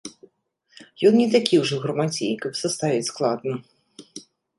Ён не такі ўжо грамацей, каб саставіць складна.